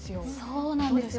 そうなんですよ。